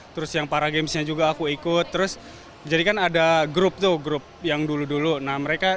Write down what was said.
dua ribu delapan belas terus yang para gamesnya juga aku ikut terus jadikan ada grup tuh grup yang dulu dulu nah mereka